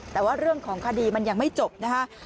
แต่ว่าเรื่องของคดีมันยังไม่จบนะคะ